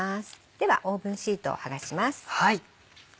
ではオーブンシートをはがします。